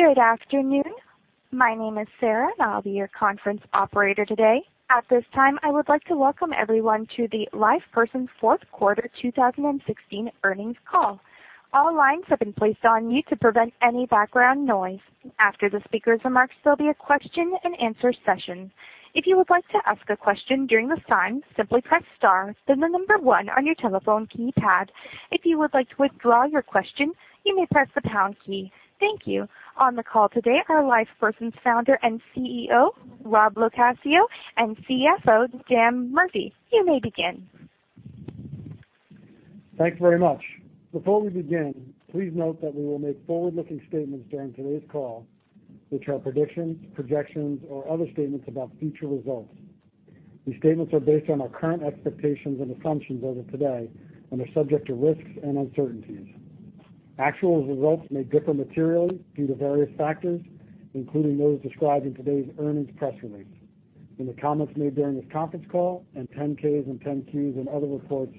Good afternoon. My name is Sarah, and I'll be your conference operator today. At this time, I would like to welcome everyone to the LivePerson Fourth Quarter 2016 earnings call. All lines have been placed on mute to prevent any background noise. After the speaker's remarks, there will be a question and answer session. If you would like to ask a question during this time, simply press star then the number one on your telephone keypad. If you would like to withdraw your question, you may press the pound key. Thank you. On the call today are LivePerson's founder and CEO, Robert LoCascio, and CFO, Daniel Murphy. You may begin. Thanks very much. Before we begin, please note that we will make forward-looking statements during today's call, which are predictions, projections, or other statements about future results. These statements are based on our current expectations and assumptions as of today and are subject to risks and uncertainties. Actual results may differ materially due to various factors, including those described in today's earnings press release. In the comments made during this conference call and 10-K and 10-Q and other reports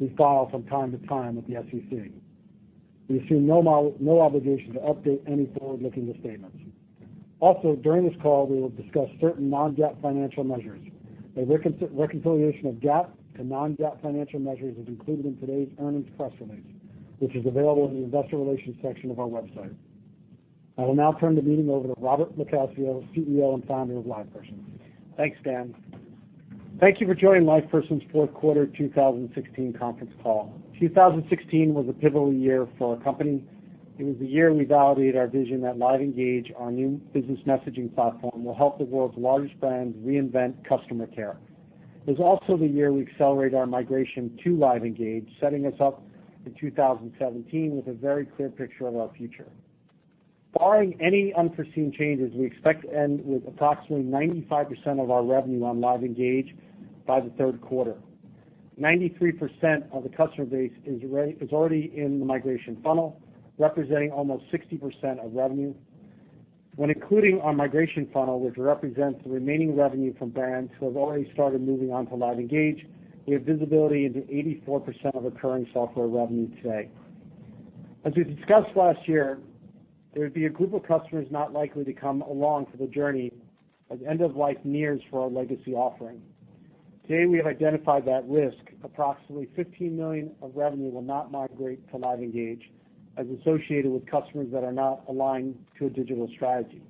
we file from time to time with the SEC. We assume no obligation to update any forward-looking statements. During this call, we will discuss certain non-GAAP financial measures. A reconciliation of GAAP to non-GAAP financial measures is included in today's earnings press release, which is available in the investor relations section of our website. I will now turn the meeting over to Robert LoCascio, CEO, and founder of LivePerson. Thanks, Dan. Thank you for joining LivePerson's fourth quarter 2016 conference call. 2016 was a pivotal year for our company. It was the year we validated our vision that LiveEngage, our new business messaging platform, will help the world's largest brands reinvent customer care. It was also the year we accelerated our migration to LiveEngage, setting us up in 2017 with a very clear picture of our future. Barring any unforeseen changes, we expect to end with approximately 95% of our revenue on LiveEngage by the third quarter. 93% of the customer base is already in the migration funnel, representing almost 60% of revenue. When including our migration funnel, which represents the remaining revenue from brands who have already started moving on to LiveEngage, we have visibility into 84% of recurring software revenue today. As we discussed last year, there would be a group of customers not likely to come along for the journey as end of life nears for our legacy offering. Today, we have identified that risk, approximately $15 million of revenue will not migrate to LiveEngage, as associated with customers that are not aligned to a digital strategy.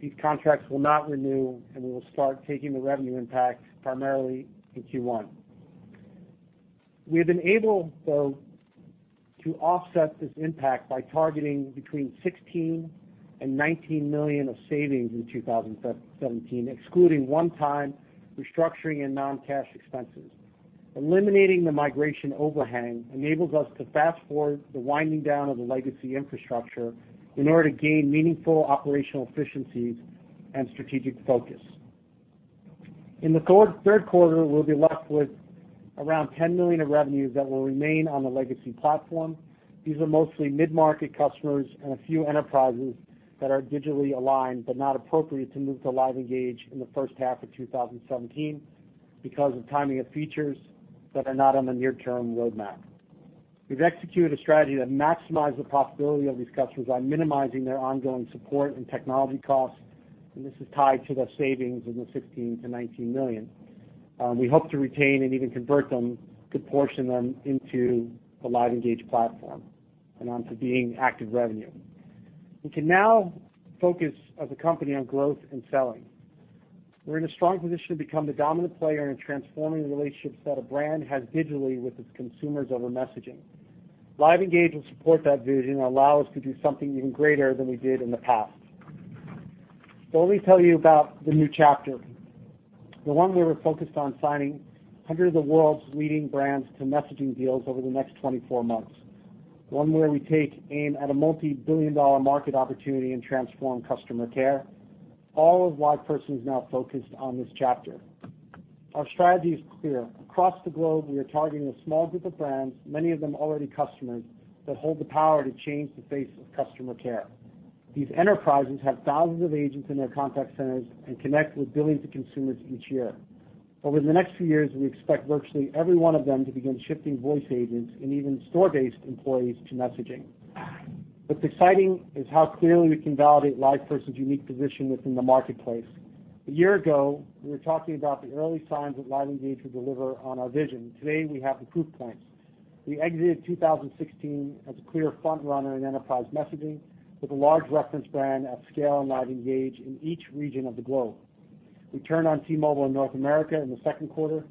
These contracts will not renew, and we will start taking the revenue impact primarily in Q1. We have been able, though, to offset this impact by targeting between $16 million and $19 million of savings in 2017, excluding one-time restructuring and non-cash expenses. Eliminating the migration overhang enables us to fast-forward the winding down of the legacy infrastructure in order to gain meaningful operational efficiencies and strategic focus. In the third quarter, we will be left with around $10 million of revenues that will remain on the legacy platform. These are mostly mid-market customers and a few enterprises that are digitally aligned but not appropriate to move to LiveEngage in the first half of 2017 because of timing of features that are not on the near-term roadmap. We've executed a strategy that maximize the possibility of these customers on minimizing their ongoing support and technology costs, and this is tied to the savings in the $16 million-$19 million. We hope to retain and even convert them, good portion them into the LiveEngage platform and onto being active revenue. We can now focus as a company on growth and selling. We're in a strong position to become the dominant player in transforming the relationships that a brand has digitally with its consumers over messaging. LiveEngage will support that vision and allow us to do something even greater than we did in the past. Let me tell you about the new chapter. The one where we're focused on signing hundreds of the world's leading brands to messaging deals over the next 24 months. One where we take aim at a multi-billion dollar market opportunity and transform customer care. All of LivePerson is now focused on this chapter. Our strategy is clear. Across the globe, we are targeting a small group of brands, many of them already customers that hold the power to change the face of customer care. These enterprises have thousands of agents in their contact centers and connect with billions of consumers each year. Over the next few years, we expect virtually every one of them to begin shifting voice agents and even store-based employees to messaging. What's exciting is how clearly we can validate LivePerson's unique position within the marketplace. A year ago, we were talking about the early signs that LiveEngage would deliver on our vision. Today, we have proof points. We exited 2016 as a clear front-runner in enterprise messaging with a large reference brand at scale on LiveEngage in each region of the globe. We turned on T-Mobile in North America in the second quarter.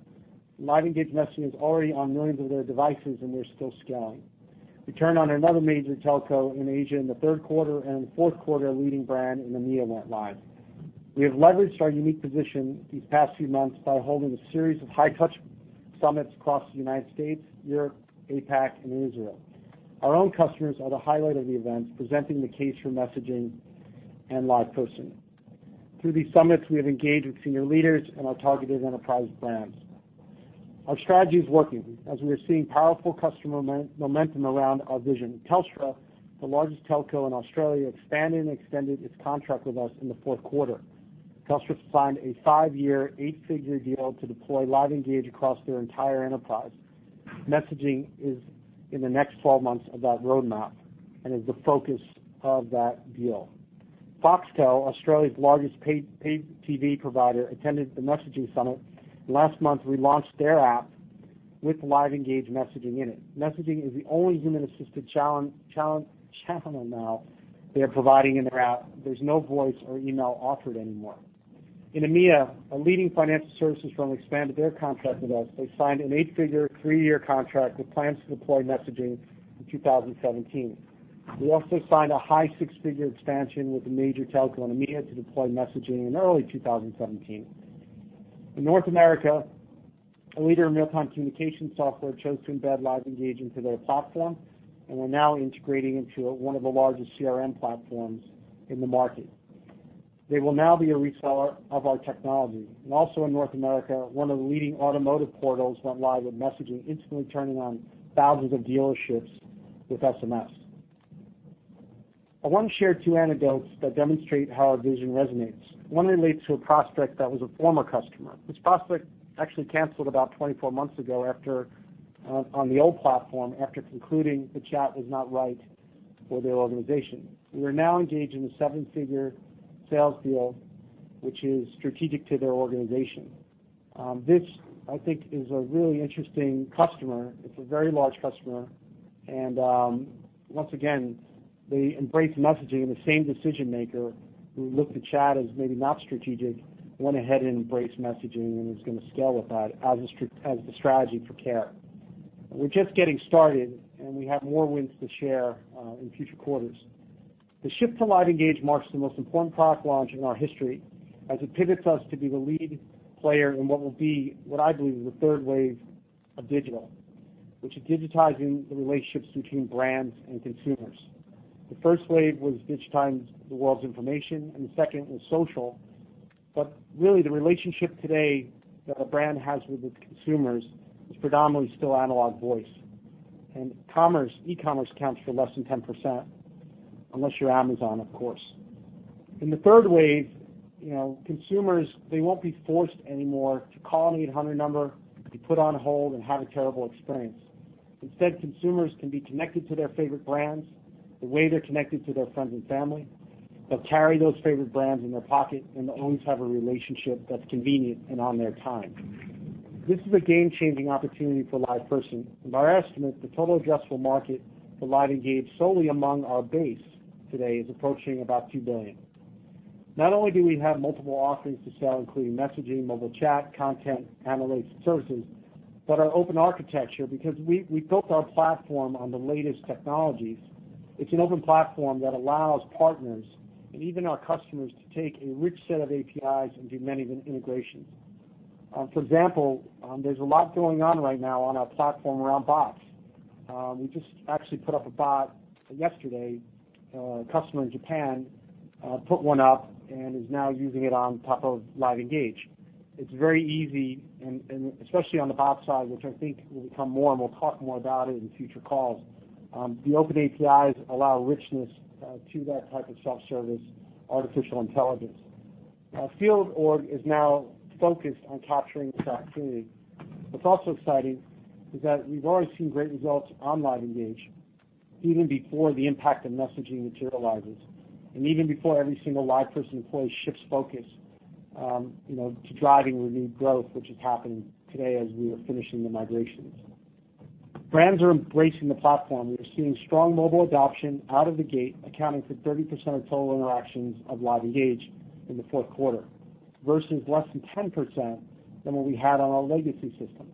LiveEngage messaging is already on millions of their devices, and we're still scaling. We turned on another major telco in Asia in the third quarter and fourth quarter, a leading brand in the Americas. We have leveraged our unique position these past few months by holding a series of high-touch summits across the U.S., Europe, APAC, and Israel. Our own customers are the highlight of the events, presenting the case for messaging and LivePerson. Through these summits, we have engaged with senior leaders and our targeted enterprise brands. Our strategy is working as we are seeing powerful customer momentum around our vision. Telstra, the largest telco in Australia, expanded and extended its contract with us in the fourth quarter. Telstra signed a five-year, eight-figure deal to deploy LiveEngage across their entire enterprise. Messaging is in the next 12 months of that roadmap and is the focus of that deal. Foxtel, Australia's largest paid TV provider, attended the Messaging Summit. Last month, we launched their app with LiveEngage messaging in it. Messaging is the only human-assisted channel now they are providing in their app. There's no voice or email offered anymore. In EMEA, a leading financial services firm expanded their contract with us. They signed an eight-figure, three-year contract with plans to deploy messaging in 2017. We also signed a high six-figure expansion with a major telecom in EMEA to deploy messaging in early 2017. In North America, a leader in real-time communication software chose to embed LiveEngage into their platform. We're now integrating into one of the largest CRM platforms in the market. They will now be a reseller of our technology. Also in North America, one of the leading automotive portals went live with messaging, instantly turning on thousands of dealerships with SMS. I want to share two anecdotes that demonstrate how our vision resonates. One relates to a prospect that was a former customer. This prospect actually canceled about 24 months ago on the old platform after concluding the chat was not right for their organization. We are now engaged in a seven-figure sales deal, which is strategic to their organization. This, I think, is a really interesting customer. It's a very large customer. Once again, they embrace messaging and the same decision-maker who looked at chat as maybe not strategic, went ahead and embraced messaging and is going to scale with that as the strategy for care. We're just getting started. We have more wins to share in future quarters. The shift to LiveEngage marks the most important product launch in our history as it pivots us to be the lead player in what I believe is the third wave of digital, which is digitizing the relationships between brands and consumers. The first wave was digitizing the world's information. The second was social. Really, the relationship today that a brand has with its consumers is predominantly still analog voice. E-commerce accounts for less than 10%, unless you're Amazon, of course. In the third wave, consumers, they won't be forced anymore to call an 800 number, to be put on hold and have a terrible experience. Instead, consumers can be connected to their favorite brands, the way they're connected to their friends and family. They'll carry those favorite brands in their pocket, and they'll always have a relationship that's convenient and on their time. This is a game-changing opportunity for LivePerson. By our estimate, the total addressable market for LiveEngage solely among our base today is approaching about $2 billion. Not only do we have multiple offerings to sell, including messaging, mobile chat, content, analytics, and services, but our open architecture, because we built our platform on the latest technologies, it's an open platform that allows partners and even our customers to take a rich set of APIs and do many integrations. For example, there's a lot going on right now on our platform around bots. We just actually put up a bot yesterday. A customer in Japan put one up and is now using it on top of LiveEngage. It's very easy and especially on the bot side, which I think will become more. We'll talk more about it in future calls. The open APIs allow richness to that type of self-service artificial intelligence. Our field org is now focused on capturing this opportunity. What's also exciting is that we've already seen great results on LiveEngage, even before the impact of messaging materializes and even before every single LivePerson employee shifts focus to driving renewed growth, which is happening today as we are finishing the migrations. Brands are embracing the platform. We are seeing strong mobile adoption out of the gate, accounting for 30% of total interactions of LiveEngage in the fourth quarter, versus less than 10% than what we had on our legacy system.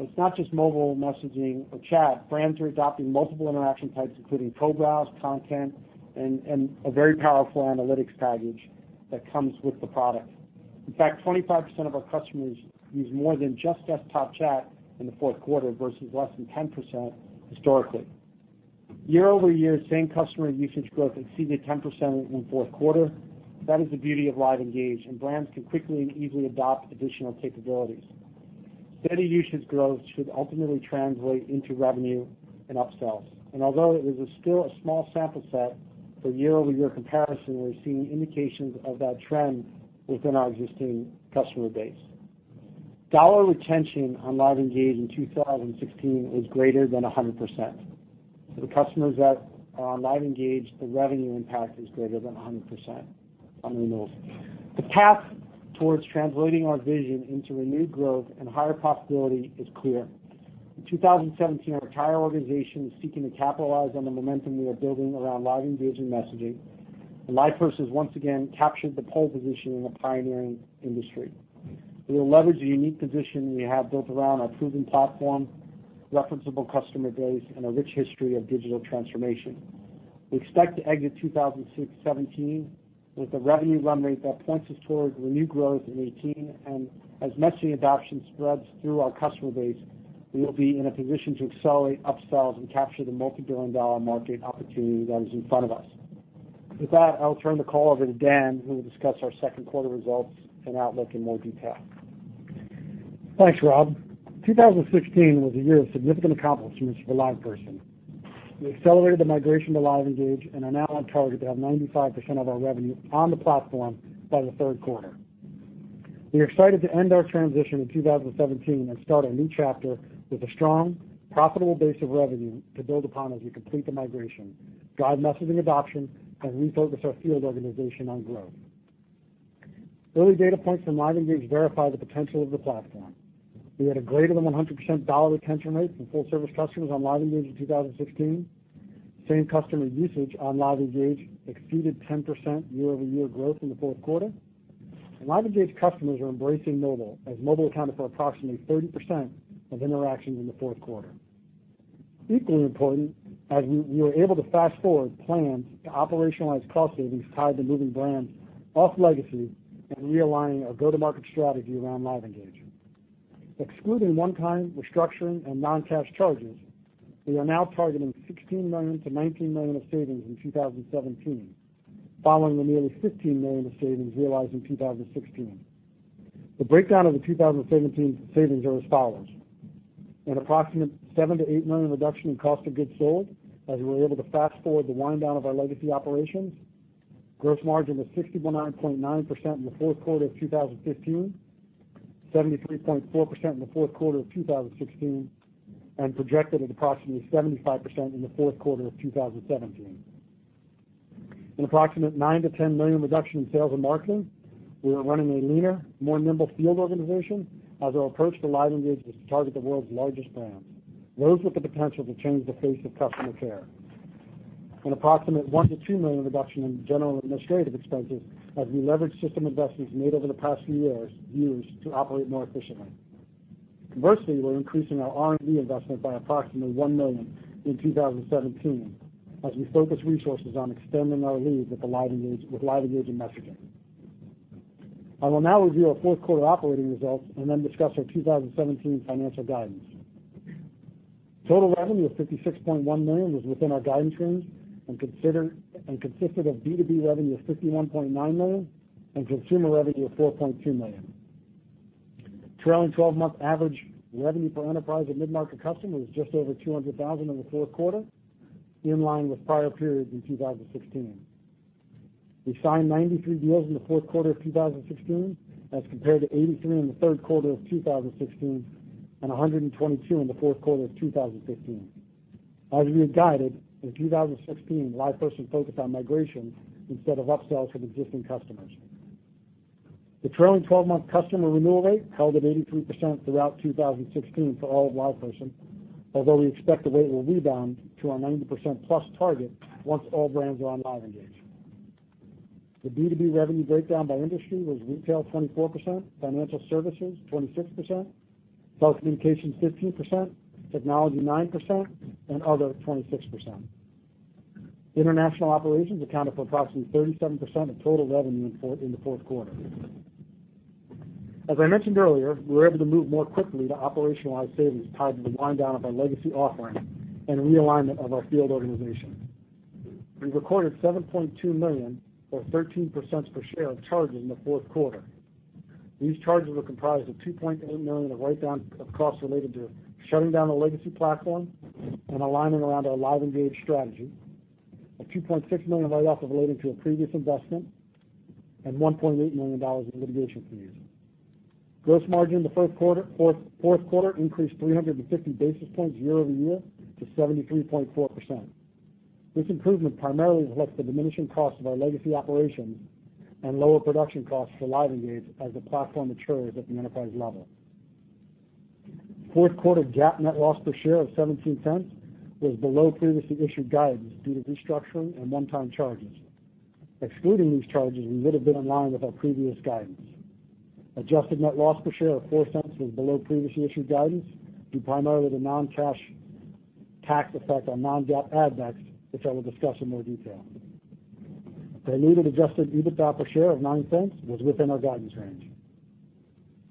It's not just mobile messaging or chat. Brands are adopting multiple interaction types, including co-browse, content, and a very powerful analytics package that comes with the product. In fact, 25% of our customers used more than just desktop chat in the fourth quarter versus less than 10% historically. Year-over-year, same-customer usage growth exceeded 10% in the fourth quarter. That is the beauty of LiveEngage, and brands can quickly and easily adopt additional capabilities. Steady usage growth should ultimately translate into revenue and up-sells. Although it is still a small sample set for year-over-year comparison, we're seeing indications of that trend within our existing customer base. Dollar retention on LiveEngage in 2016 is greater than 100%. The customers that are on LiveEngage, the revenue impact is greater than 100% on renewals. The path towards translating our vision into renewed growth and higher profitability is clear. In 2017, our entire organization is seeking to capitalize on the momentum we are building around LiveEngage and messaging, and LivePerson has once again captured the pole position in a pioneering industry. We will leverage the unique position we have built around our proven platform, referenceable customer base, and a rich history of digital transformation. We expect to exit 2017 with a revenue run rate that points us towards renewed growth in 2018. As messaging adoption spreads through our customer base, we will be in a position to accelerate up-sells and capture the multi-billion-dollar market opportunity that is in front of us. With that, I'll turn the call over to Dan, who will discuss our second quarter results and outlook in more detail. Thanks, Rob. 2016 was a year of significant accomplishments for LivePerson. We accelerated the migration to LiveEngage and are now on target to have 95% of our revenue on the platform by the third quarter. We are excited to end our transition in 2017 and start a new chapter with a strong, profitable base of revenue to build upon as we complete the migration, drive messaging adoption, and refocus our field organization on growth. Early data points from LiveEngage verify the potential of the platform. We had a greater than 100% dollar retention rate from full service customers on LiveEngage in 2016. Same customer usage on LiveEngage exceeded 10% year-over-year growth in the fourth quarter. LiveEngage customers are embracing mobile, as mobile accounted for approximately 30% of interactions in the fourth quarter. Equally important, as we were able to fast-forward plans to operationalize cost savings tied to moving brands off Legacy and realigning our go-to-market strategy around LiveEngage. Excluding one-time restructuring and non-cash charges, we are now targeting $16 million-$19 million of savings in 2017, following the nearly $15 million of savings realized in 2016. The breakdown of the 2017 savings are as follows. An approximate $7 million-$8 million reduction in cost of goods sold, as we were able to fast-forward the wind-down of our Legacy operations. Gross margin was 69.9% in the fourth quarter of 2015, 73.4% in the fourth quarter of 2016, and projected at approximately 75% in the fourth quarter of 2017. An approximate $9 million-$10 million reduction in sales and marketing. We are running a leaner, more nimble field organization as our approach to LiveEngage is to target the world's largest brands, those with the potential to change the face of customer care. An approximate $1 million-$2 million reduction in general and administrative expenses, as we leverage system investments made over the past few years used to operate more efficiently. Conversely, we're increasing our R&D investment by approximately $1 million in 2017 as we focus resources on extending our lead with LiveEngage and messaging. I will now review our fourth quarter operating results and then discuss our 2017 financial guidance. Total revenue of $56.1 million was within our guidance range and consisted of B2B revenue of $51.9 million and consumer revenue of $4.2 million. Trailing 12-month average revenue per enterprise and mid-market customer was just over $200,000 in the fourth quarter, in line with prior periods in 2016. We signed 93 deals in the fourth quarter of 2016 as compared to 83 in the third quarter of 2016 and 122 in the fourth quarter of 2015. As we had guided, in 2016, LivePerson focused on migration instead of upsells with existing customers. The trailing 12-month customer renewal rate held at 83% throughout 2016 for all of LivePerson, although we expect the rate will rebound to our 90%-plus target once all brands are on LiveEngage. The B2B revenue breakdown by industry was retail 24%, financial services 26%, telecommunications 15%, technology 9%, and other 26%. International operations accounted for approximately 37% of total revenue in the fourth quarter. As I mentioned earlier, we were able to move more quickly to operationalize savings tied to the wind-down of our Legacy offering and realignment of our field organization. We recorded $7.2 million or $0.13 per share of charges in the fourth quarter. These charges were comprised of $2.8 million of write-down of costs related to shutting down the Legacy platform and aligning around our LiveEngage strategy, a $2.6 million write-off relating to a previous investment, and $1.8 million in litigation fees. Gross margin in the fourth quarter increased 350 basis points year-over-year to 73.4%. This improvement primarily reflects the diminishing cost of our Legacy operations and lower production costs for LiveEngage as the platform matures at the enterprise level. Fourth quarter GAAP net loss per share of $0.17 was below previously issued guidance due to restructuring and one-time charges. Excluding these charges, we would have been in line with our previous guidance. Adjusted net loss per share of $0.04 was below previously issued guidance, due primarily to the non-cash tax effect on non-GAAP add-backs, which I will discuss in more detail. Diluted adjusted EBITDA per share of $0.09 was within our guidance range.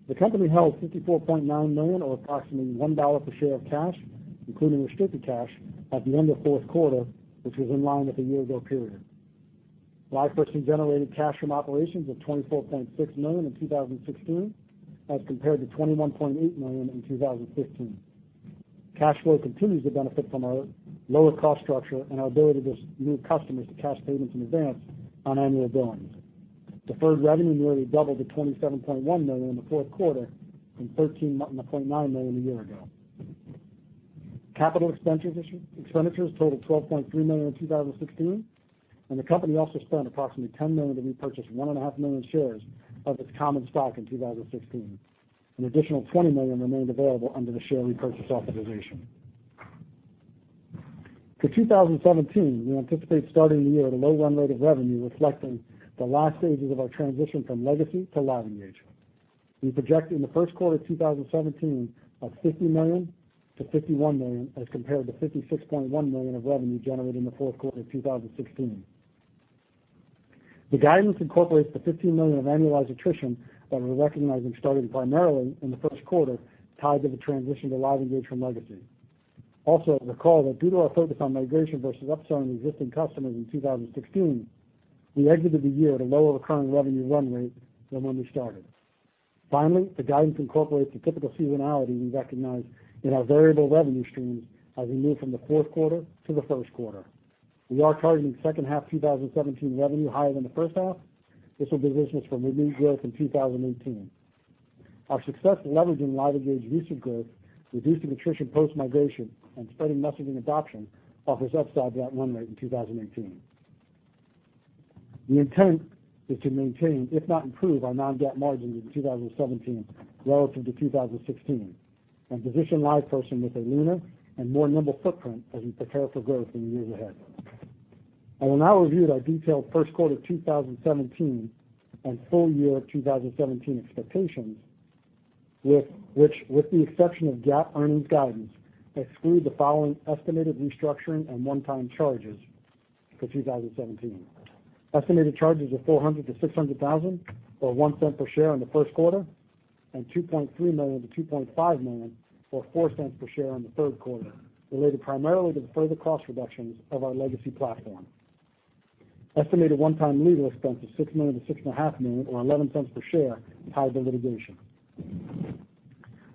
The company held $54.9 million or approximately $1 per share of cash, including restricted cash, at the end of fourth quarter, which was in line with a year ago period. LivePerson generated cash from operations of $24.6 million in 2016 as compared to $21.8 million in 2015. Cash flow continues to benefit from our lower cost structure and our ability to move customers to cash payments in advance on annual billings. Deferred revenue nearly doubled to $27.1 million in the fourth quarter from $13.9 million a year ago. Capital expenditures totaled $12.3 million in 2016, the company also spent approximately $10 million to repurchase 1.5 million shares of its common stock in 2016. An additional $20 million remained available under the share repurchase authorization. For 2017, we anticipate starting the year at a low run rate of revenue reflecting the last stages of our transition from Legacy to LiveEngage. We project in the first quarter of 2017 $50 million-$51 million as compared to $56.1 million of revenue generated in the fourth quarter of 2016. The guidance incorporates the $15 million of annualized attrition that we're recognizing starting primarily in the first quarter tied to the transition to LiveEngage from Legacy. Recall that due to our focus on migration versus upselling existing customers in 2016, we exited the year at a lower recurring revenue run rate than when we started. Finally, the guidance incorporates the typical seasonality we recognize in our variable revenue streams as we move from the fourth quarter to the first quarter. We are targeting second half 2017 revenue higher than the first half. This will position us for renewed growth in 2018. Our success in leveraging LiveEngage recent growth, reducing attrition post-migration, and spreading messaging adoption offers upside to that run rate in 2018. The intent is to maintain, if not improve, our non-GAAP margins in 2017 relative to 2016, and position LivePerson with a leaner and more nimble footprint as we prepare for growth in the years ahead. I will now review our detailed first quarter 2017 and full year 2017 expectations, which with the exception of GAAP earnings guidance, exclude the following estimated restructuring and one-time charges for 2017. Estimated charges of $400,000-$600,000, or $0.01 per share in the first quarter, and $2.3 million-$2.5 million, or $0.04 per share in the third quarter, related primarily to the further cost reductions of our legacy platform. Estimated one-time legal expense of $6 million-$6.5 million, or $0.11 per share to handle litigation.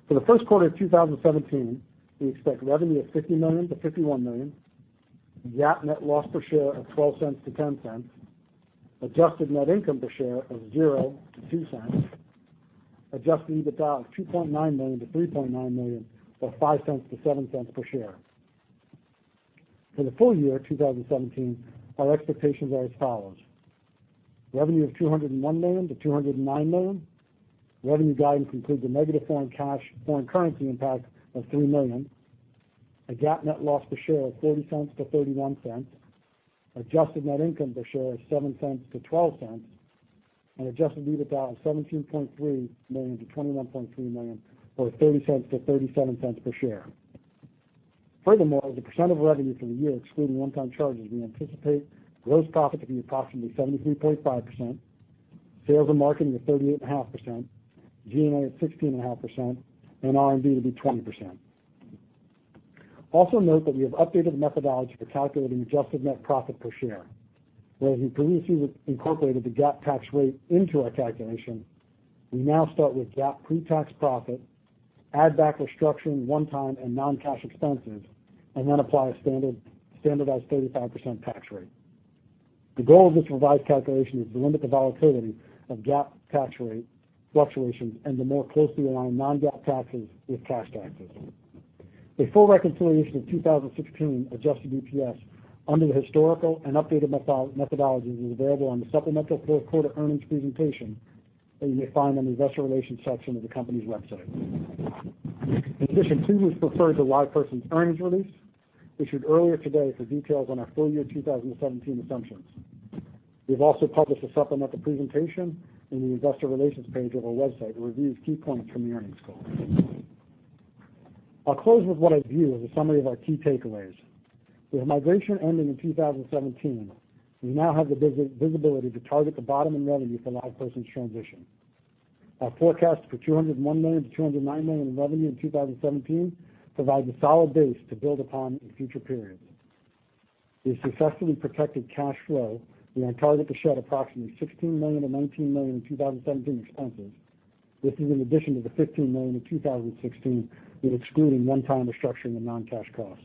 For the first quarter of 2017, we expect revenue of $50 million-$51 million, GAAP net loss per share of $0.12-$0.10, adjusted net income per share of $0.00-$0.02, adjusted EBITDA of $2.9 million-$3.9 million, or $0.05-$0.07 per share. For the full year 2017, our expectations are as follows: revenue of $201 million-$209 million, revenue guidance includes a negative foreign currency impact of $3 million, a GAAP net loss per share of $0.40-$0.31, adjusted net income per share of $0.07-$0.12, and adjusted EBITDA of $17.3 million-$21.3 million, or $0.30-$0.37 per share. Furthermore, as a percent of revenue for the year excluding one-time charges, we anticipate gross profit to be approximately 73.5%, sales and marketing of 38.5%, G&A of 16.5%, and R&D to be 20%. Also note that we have updated the methodology for calculating adjusted net profit per share. Whereas we previously incorporated the GAAP tax rate into our calculation, we now start with GAAP pre-tax profit, add back restructuring one-time and non-cash expenses, and then apply a standardized 35% tax rate. The goal of this revised calculation is to limit the volatility of GAAP tax rate fluctuations and to more closely align non-GAAP taxes with cash taxes. A full reconciliation of 2016 adjusted EPS under the historical and updated methodology is available on the supplemental fourth quarter earnings presentation that you may find on the investor relations section of the company's website. Please refer to LivePerson's earnings release issued earlier today for details on our full-year 2017 assumptions. We have also published a supplemental presentation in the investor relations page of our website that reviews key points from the earnings call. I'll close with what I view as a summary of our key takeaways. With migration ending in 2017, we now have the visibility to target the bottom in revenue for LivePerson's transition. Our forecast for $201 million-$209 million in revenue in 2017 provides a solid base to build upon in future periods. We successfully protected cash flow. We are on target to shed approximately $16 million-$19 million in 2017 expenses. This is in addition to the $15 million in 2016, excluding one-time restructuring and non-cash costs.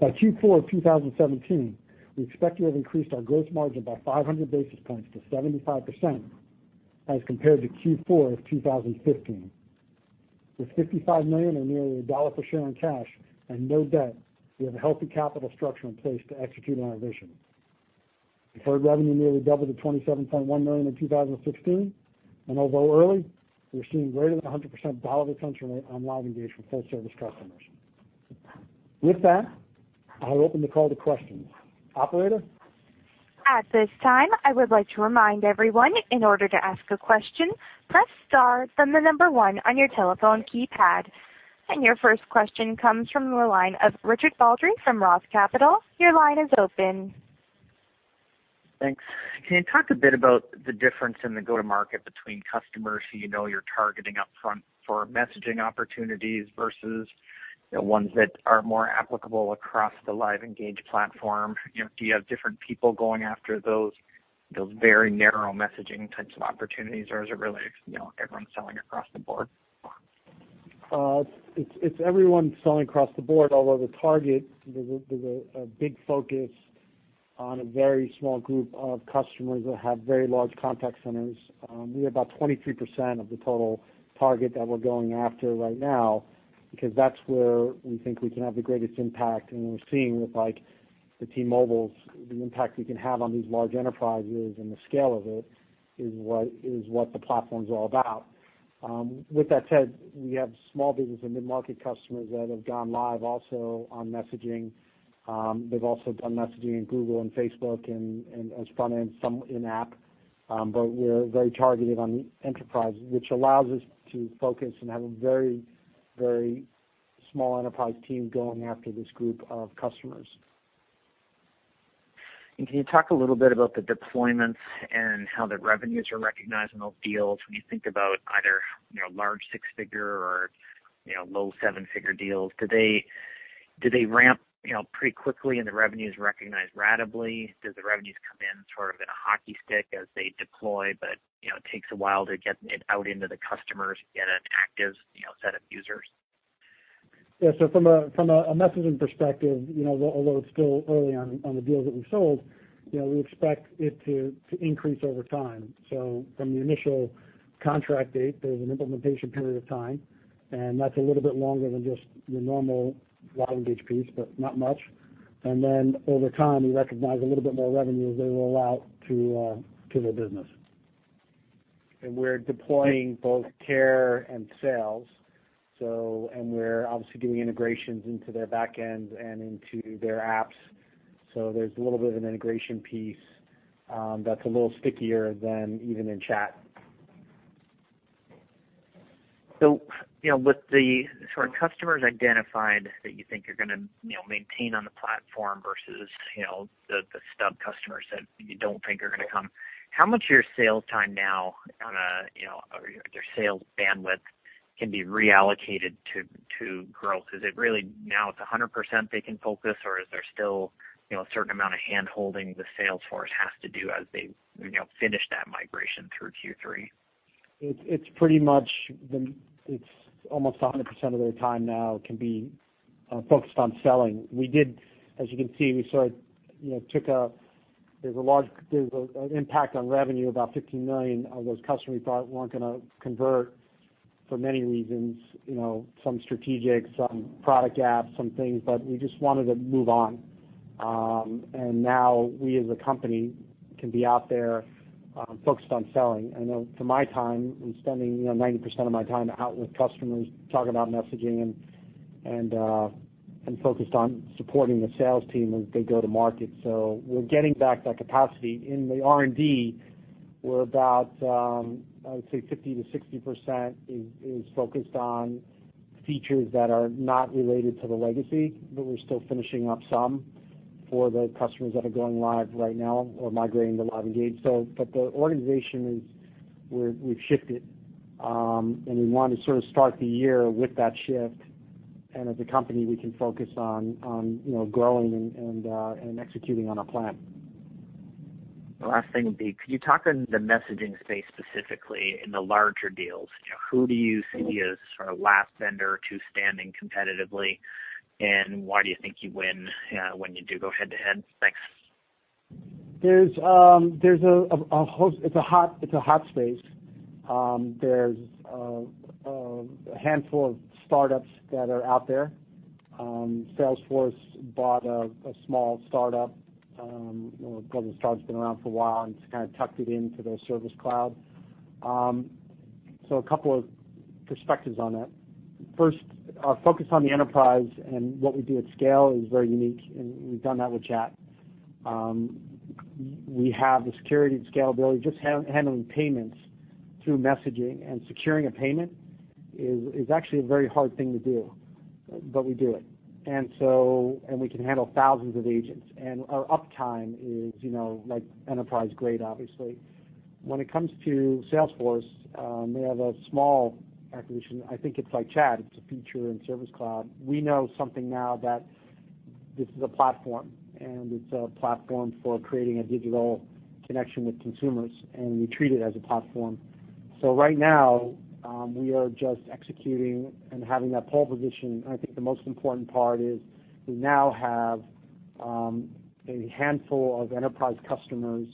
By Q4 2017, we expect to have increased our gross margin by 500 basis points to 75% as compared to Q4 of 2015. With $55 million or nearly $1 per share in cash and no debt, we have a healthy capital structure in place to execute on our vision. Deferred revenue nearly doubled to $27.1 million in 2016. Although early, we're seeing greater than 100% dollar retention rate on LiveEngage for full service customers. With that, I will open the call to questions. Operator? At this time, I would like to remind everyone, in order to ask a question, press star, then the number one on your telephone keypad. Your first question comes from the line of Richard Baldry from ROTH Capital. Your line is open. Thanks. Can you talk a bit about the difference in the go-to-market between customers who you know you're targeting up front for messaging opportunities versus the ones that are more applicable across the LiveEngage platform? Do you have different people going after those very narrow messaging types of opportunities, or is it really everyone selling across the board? It's everyone selling across the board, although the target, there's a big focus on a very small group of customers that have very large contact centers. We have about 23% of the total target that we're going after right now, because that's where we think we can have the greatest impact, and we're seeing with the T-Mobile's, the impact we can have on these large enterprises and the scale of it is what the platform's all about. With that said, we have small business and mid-market customers that have gone live also on messaging. They've also done messaging in Google and Facebook and as front-end, some in-app. We're very targeted on the enterprise, which allows us to focus and have a very small enterprise team going after this group of customers. Can you talk a little bit about the deployments and how the revenues are recognized in those deals when you think about either large six-figure or low seven-figure deals? Do they ramp pretty quickly and the revenue's recognized ratably? Does the revenues come in sort of in a hockey stick as they deploy, but it takes a while to get it out into the customers to get an active Yeah. From a messaging perspective, although it's still early on the deals that we've sold, we expect it to increase over time. From the initial contract date, there's an implementation period of time, and that's a little bit longer than just your normal LiveEngage piece, but not much. Over time, we recognize a little bit more revenue as they roll out to their business. We're deploying both care and sales, and we're obviously doing integrations into their back ends and into their apps. There's a little bit of an integration piece that's a little stickier than even in chat. With the sort of customers identified that you think you're going to maintain on the platform versus the stub customers that you don't think are going to come. How much of your sales time now, or your sales bandwidth can be reallocated to growth? Is it really now it's 100% they can focus or is there still a certain amount of handholding the sales force has to do as they finish that migration through Q3? It's almost 100% of their time now can be focused on selling. As you can see, there's an impact on revenue, about $15 million of those customers we thought weren't going to convert for many reasons, some strategic, some product gaps, some things, but we just wanted to move on. Now we, as a company, can be out there, focused on selling. I know for my time, I'm spending 90% of my time out with customers, talking about messaging and focused on supporting the sales team as they go to market. We're getting back that capacity. In the R&D, we're about, I would say 50%-60% is focused on features that are not related to the legacy, but we're still finishing up some for the customers that are going live right now or migrating to LiveEngage. The organization, we've shifted. We want to sort of start the year with that shift. As a company, we can focus on growing and executing on our plan. The last thing would be, could you talk on the messaging space specifically in the larger deals? Who do you see as sort of last vendor to standing competitively, and why do you think you win when you do go head-to-head? Thanks. It's a hot space. There's a handful of startups that are out there. Salesforce bought a small startup, you know, that's been around for a while, and just kind of tucked it into their Service Cloud. A couple of perspectives on that. First, our focus on the enterprise and what we do at scale is very unique, and we've done that with chat. We have the security and scalability. Just handling payments through messaging and securing a payment is actually a very hard thing to do, but we do it. And we can handle thousands of agents, and our uptime is enterprise-grade, obviously. When it comes to Salesforce, they have a small acquisition. I think it's like chat. It's a feature in Service Cloud. We know something now that this is a platform, and it's a platform for creating a digital connection with consumers, and we treat it as a platform. Right now, we are just executing and having that pole position. I think the most important part is we now have a handful of enterprise customers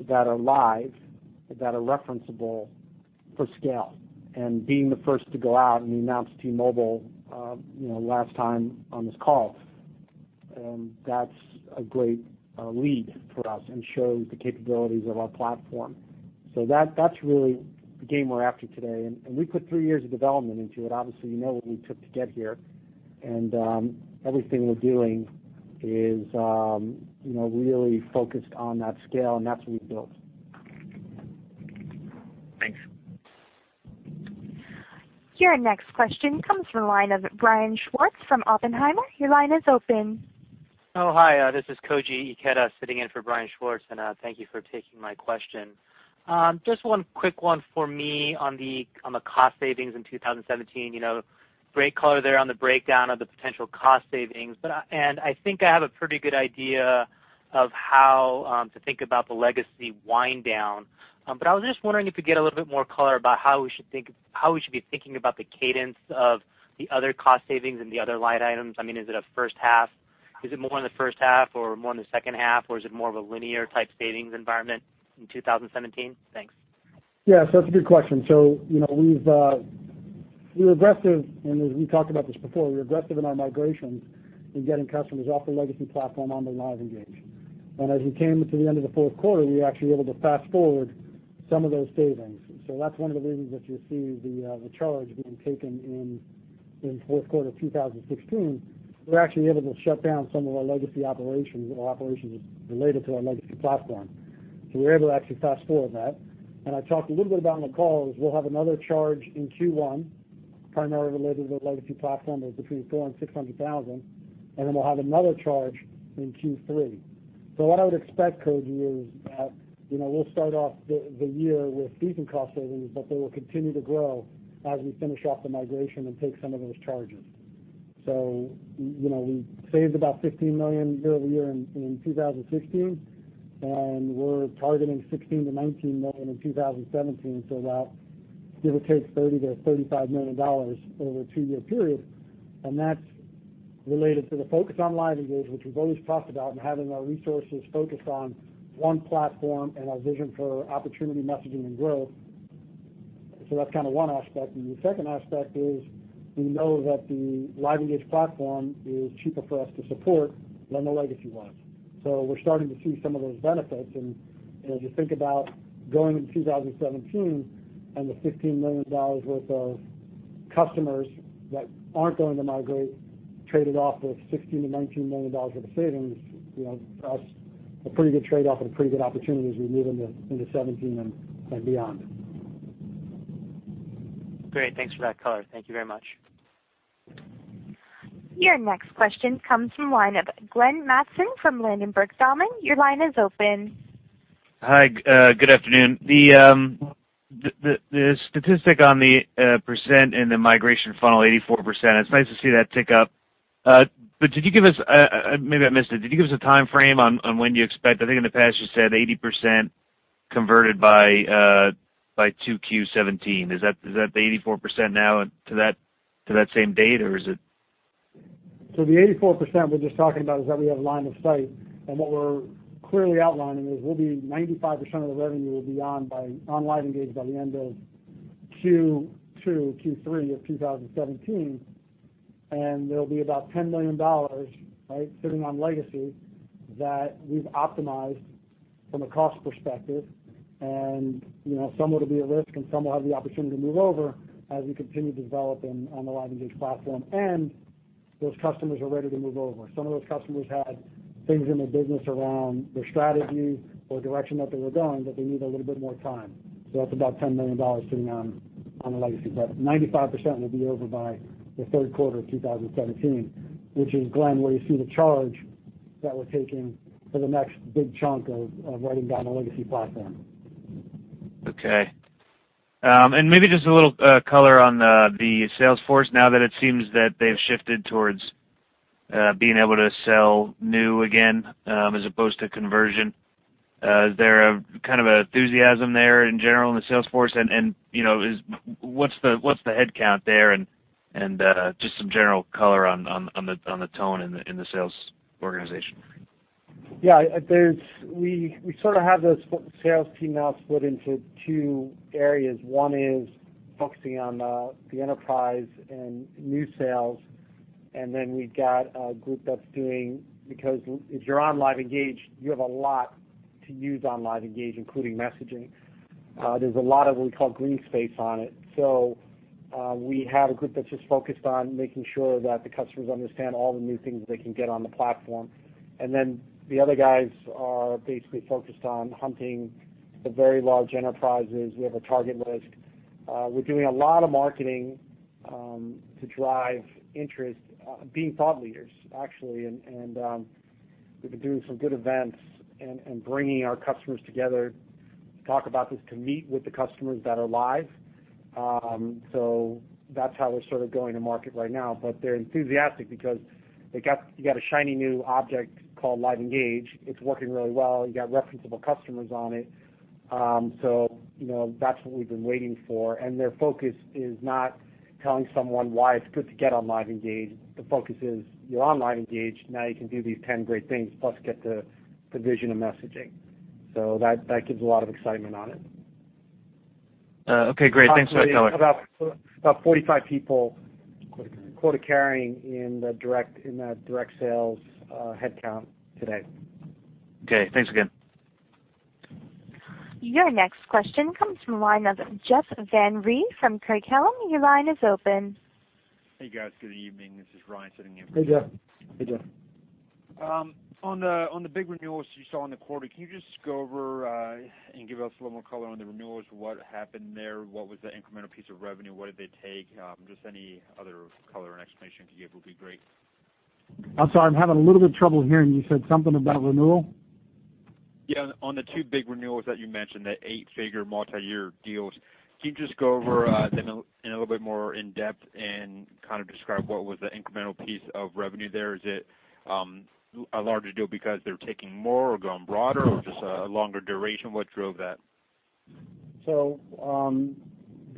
that are live, that are referenceable for scale. Being the first to go out and we announced T-Mobile last time on this call, that's a great lead for us and shows the capabilities of our platform. That's really the game we're after today. We put three years of development into it. Obviously, you know what we took to get here. Everything we're doing is really focused on that scale, and that's what we've built. Thanks. Your next question comes from the line of Brian Schwartz from Oppenheimer. Your line is open. Oh, hi. This is Koji Ikeda sitting in for Brian Schwartz, and thank you for taking my question. Just one quick one for me on the cost savings in 2017. Great color there on the breakdown of the potential cost savings. I think I have a pretty good idea of how to think about the legacy wind down. I was just wondering if you could give a little bit more color about how we should be thinking about the cadence of the other cost savings and the other line items. Is it more in the first half or more in the second half, or is it more of a linear type savings environment in 2017? Thanks. Yeah, that's a good question. We were aggressive, as we talked about this before, we were aggressive in our migrations in getting customers off the legacy platform onto LiveEngage. As we came to the end of the fourth quarter, we were actually able to fast-forward some of those savings. That's one of the reasons that you'll see the charge being taken in fourth quarter 2016. We were actually able to shut down some of our legacy operations or operations related to our legacy platform. We were able to actually fast-forward that. I talked a little bit about on the call, is we'll have another charge in Q1, primarily related to the legacy platform that is between $400,000 and $600,000, and then we'll have another charge in Q3. What I would expect, Koji, is we'll start off the year with decent cost savings, but they will continue to grow as we finish off the migration and take some of those charges. We saved about $15 million year-over-year in 2016, and we're targeting $16 million-$19 million in 2017. Give or take $30 million-$35 million over a two-year period. That's related to the focus on LiveEngage, which we've always talked about, and having our resources focused on one platform and our vision for opportunity, messaging, and growth. That's one aspect. The second aspect is we know that the LiveEngage platform is cheaper for us to support than the legacy was. We're starting to see some of those benefits. As you think about going into 2017 and the $15 million worth of customers that aren't going to migrate, traded off with $16 million-$19 million of savings, for us, a pretty good trade-off and a pretty good opportunity as we move into 2017 and beyond. Great. Thanks for that color. Thank you very much. Your next question comes from line of Glenn Mattson from Ladenburg Thalmann. Your line is open. Hi, good afternoon. The statistic on the percent in the migration funnel, 84%, it's nice to see that tick up. Did you give us, maybe I missed it, did you give us a timeframe on when do you I think in the past you said 80% converted by 2Q 2017. Is that the 84% now to that same date? The 84% we're just talking about is that we have line of sight. What we're clearly outlining is will be 95% of the revenue will be on LiveEngage by the end of Q2, Q3 2017. There'll be about $10 million sitting on legacy that we've optimized from a cost perspective. Some will be at risk, and some will have the opportunity to move over as we continue developing on the LiveEngage platform, and those customers are ready to move over. Some of those customers had things in their business around their strategy or direction that they were going, but they need a little bit more time. That's about $10 million sitting on the legacy. 95% will be over by the third quarter 2017, which is, Glen, where you see the charge that we're taking for the next big chunk of writing down the legacy platform. Okay. Maybe just a little color on the sales force now that it seems that they've shifted towards being able to sell new again, as opposed to conversion. Is there a kind of enthusiasm there in general in the sales force? What's the headcount there? Just some general color on the tone in the sales organization. Yeah. We sort of have those sales team now split into two areas. One is focusing on the enterprise and new sales. Then we've got a group that's because if you're on LiveEngage, you have a lot to use on LiveEngage, including messaging. There's a lot of what we call green space on it. We have a group that's just focused on making sure that the customers understand all the new things they can get on the platform. Then the other guys are basically focused on hunting the very large enterprises. We have a target list. We're doing a lot of marketing to drive interest, being thought leaders, actually. We've been doing some good events and bringing our customers together to talk about this, to meet with the customers that are live. That's how we're sort of going to market right now. They're enthusiastic because you got a shiny new object called LiveEngage. It's working really well. You got referenceable customers on it. That's what we've been waiting for. Their focus is not telling someone why it's good to get on LiveEngage. The focus is, you're on LiveEngage, now you can do these 10 great things, plus get the vision of messaging. That gives a lot of excitement on it. Okay, great. Thanks for that color. About 45 people. Quarter carrying. Quarter carrying in the direct sales headcount today. Okay. Thanks again. Your next question comes from line of Jeff Van Rhee from Craig-Hallum. Your line is open. Hey, guys. Good evening. This is Ryan sitting in. Hey, Jeff. for Jeff. On the big renewals you saw in the quarter, can you just go over and give us a little more color on the renewals? What happened there? What was the incremental piece of revenue? What did they take? Just any other color and explanation you can give would be great. I'm sorry, I'm having a little bit of trouble hearing you. You said something about renewal? Yeah. On the two big renewals that you mentioned, the eight-figure multi-year deals. Can you just go over them in a little bit more in-depth and kind of describe what was the incremental piece of revenue there? Is it a larger deal because they're taking more or going broader, or just a longer duration? What drove that? The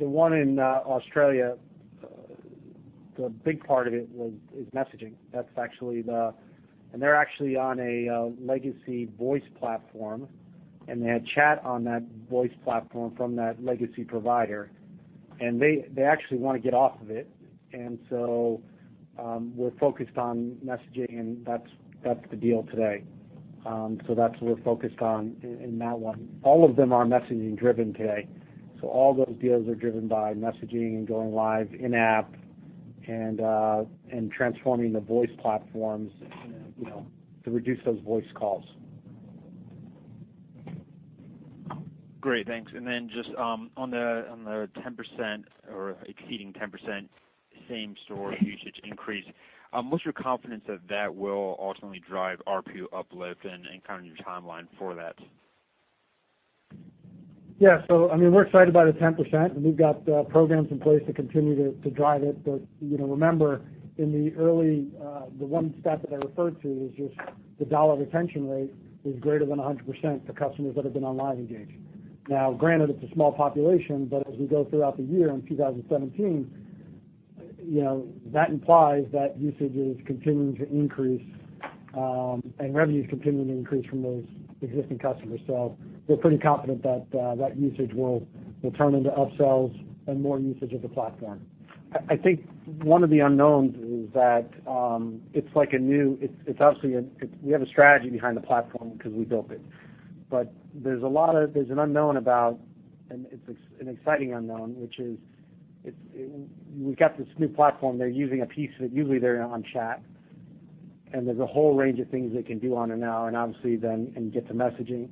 one in Australia, the big part of it is messaging. They're actually on a legacy voice platform, and they had chat on that voice platform from that legacy provider. They actually want to get off of it. We're focused on messaging, and that's the deal today. All of them are messaging-driven today. All those deals are driven by messaging and going live in-app and transforming the voice platforms to reduce those voice calls. Great. Thanks. Just on the 10%, or exceeding 10%, same store usage increase. What's your confidence that that will ultimately drive RPU uplift and kind of your timeline for that? Yeah. We're excited about the 10%, and we've got programs in place to continue to drive it. Remember, in the early, the one stat that I referred to is just the dollar retention rate is greater than 100% for customers that have been on LiveEngage. Now, granted, it's a small population, but as we go throughout the year in 2017, that implies that usage is continuing to increase, and revenue is continuing to increase from those existing customers. We're pretty confident that usage will turn into upsells and more usage of the platform. I think one of the unknowns is that it's obviously, we have a strategy behind the platform because we built it. There's an unknown about, and it's an exciting unknown, which is we've got this new platform. They're using a piece, usually they're on chat, and there's a whole range of things they can do on there now, and obviously then, and get to messaging.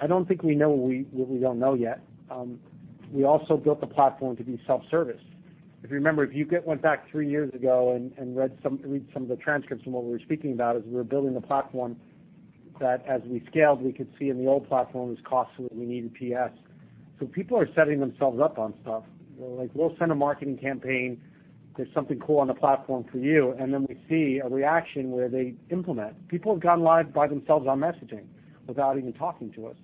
I don't think we know what we don't know yet. We also built the platform to be self-service. If you remember, if you went back three years ago and read some of the transcripts from what we were speaking about as we were building the platform, that as we scaled, we could see in the old platform, it was costly, we needed PS. People are setting themselves up on stuff. Like, we'll send a marketing campaign, there's something cool on the platform for you, and then we see a reaction where they implement. People have gone live by themselves on messaging without even talking to us.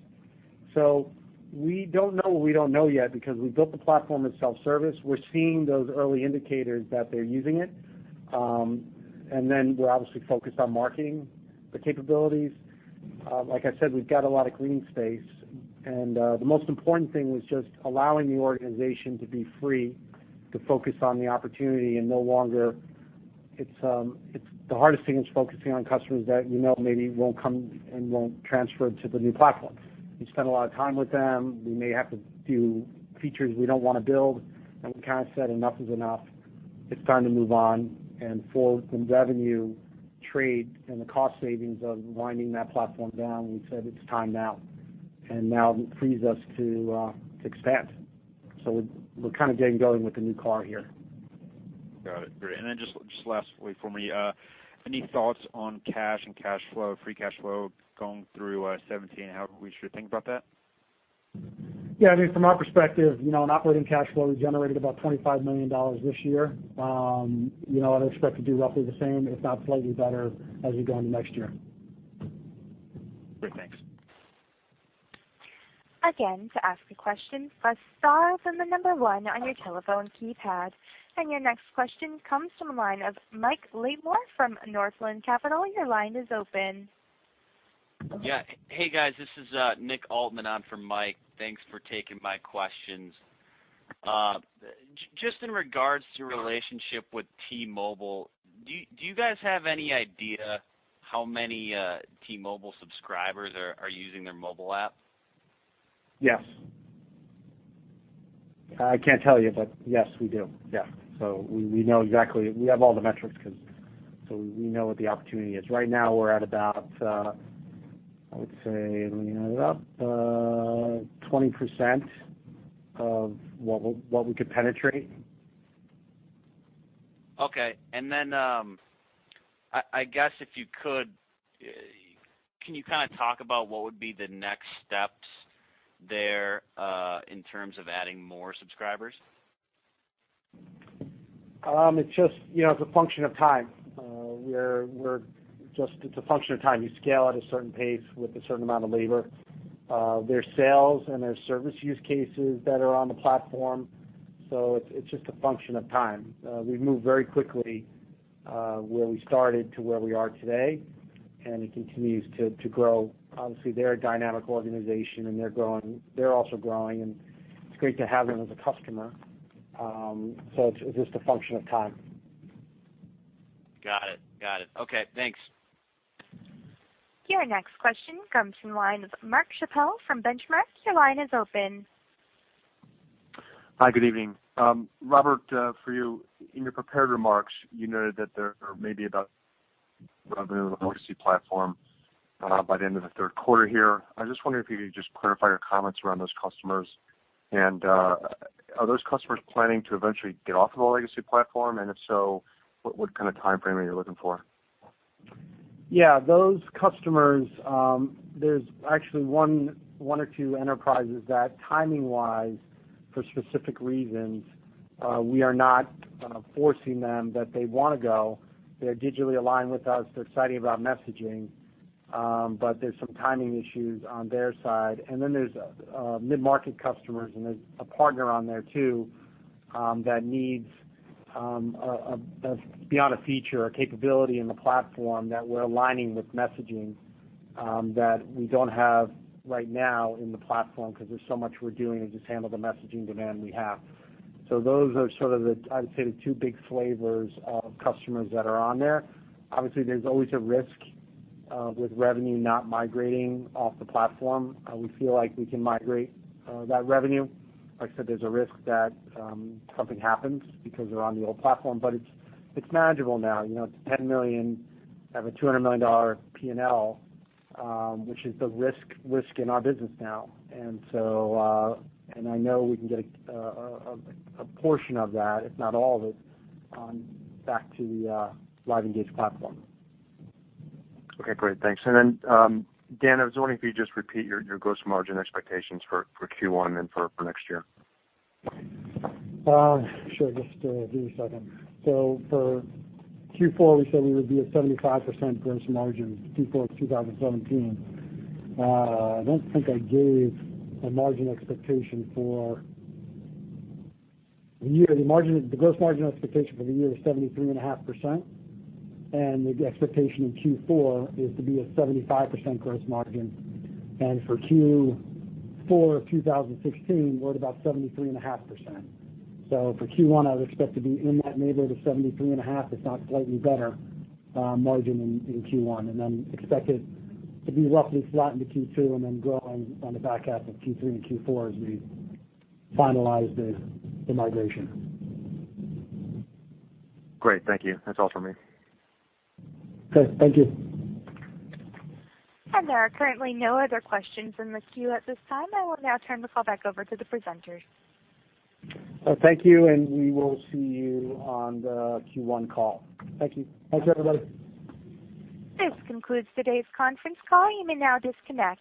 We don't know what we don't know yet because we built the platform as self-service. We're seeing those early indicators that they're using it. Then we're obviously focused on marketing the capabilities. Like I said, we've got a lot of green space, and the most important thing was just allowing the organization to be free to focus on the opportunity and no longer. The hardest thing is focusing on customers that you know maybe won't come and won't transfer to the new platform. We spend a lot of time with them. We may have to do features we don't want to build, and we kind of said, "Enough is enough. It's time to move on." For the revenue trade and the cost savings of winding that platform down, we said, "It's time now." Now it frees us to expand. We're kind of getting going with the new car here. Got it. Great. Then just lastly for me, any thoughts on cash and cash flow, free cash flow going through 2017? How we should think about that? Yeah, from our perspective, in operating cash flow, we generated about $25 million this year. I expect to do roughly the same, if not slightly better, as we go into next year. Great. Thanks. Again, to ask a question, press stars and the number one on your telephone keypad. Your next question comes from the line of Mike Latimore from Northland Capital. Your line is open. Yeah. Hey, guys, this is Nick Altmann on for Mike. Thanks for taking my questions. Just in regards to your relationship with T-Mobile, do you guys have any idea how many T-Mobile subscribers are using their mobile app? Yes. I can't tell you, but yes, we do. Yeah. We know exactly. We have all the metrics, so we know what the opportunity is. Right now, we're at about, I would say, let me add it up, 20% of what we could penetrate. Okay. I guess if you could, can you kind of talk about what would be the next steps there in terms of adding more subscribers? It's a function of time. You scale at a certain pace with a certain amount of labor. There's sales and there's service use cases that are on the platform, so it's just a function of time. We've moved very quickly, where we started to where we are today, and it continues to grow. Obviously, they're a dynamic organization, and they're also growing, and it's great to have them as a customer. It's just a function of time. Got it. Okay, thanks. Your next question comes from the line of Mark Schappel from Benchmark. Your line is open. Hi, good evening. Robert, for you, in your prepared remarks, you noted that there may be a bit of revenue on the legacy platform by the end of the third quarter here. I was just wondering if you could just clarify your comments around those customers. Are those customers planning to eventually get off of the legacy platform? If so, what kind of timeframe are you looking for? Those customers, there's actually one or two enterprises that timing-wise, for specific reasons, we are not forcing them, but they want to go. They're digitally aligned with us. They're excited about messaging. There's some timing issues on their side. Then there's mid-market customers, and there's a partner on there, too, that needs beyond a feature, a capability in the platform that we're aligning with messaging, that we don't have right now in the platform because there's so much we're doing to just handle the messaging demand we have. Those are sort of the, I would say, the two big flavors of customers that are on there. Obviously, there's always a risk with revenue not migrating off the platform. We feel like we can migrate that revenue. Like I said, there's a risk that something happens because they're on the old platform, but it's manageable now. It's $10 million out of a $200 million P&L, which is the risk in our business now. I know we can get a portion of that, if not all of it, back to the LiveEngage platform. Okay, great. Thanks. Dan, I was wondering if you'd just repeat your gross margin expectations for Q1 and for next year. Sure. Just give me a second. For Q4, we said we would be at 75% gross margin, Q4 2017. I don't think I gave a margin expectation for the year. The gross margin expectation for the year is 73.5%, the expectation in Q4 is to be a 75% gross margin. For Q4 2016, we're at about 73.5%. For Q1, I would expect to be in that neighborhood of 73.5%, if not slightly better, margin in Q1. Expect it to be roughly flat into Q2 and then growing on the back half of Q3 and Q4 as we finalize the migration. Great. Thank you. That's all for me. Okay. Thank you. There are currently no other questions in the queue at this time. I will now turn the call back over to the presenters. Thank you, and we will see you on the Q1 call. Thank you. Thanks, everybody. This concludes today's conference call. You may now disconnect.